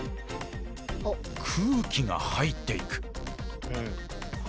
空気が入っていく。